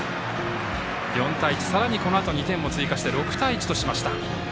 ４対１、さらにこのあと２点も追加して６対１としました。